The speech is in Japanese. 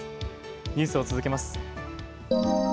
ニュースを続けます。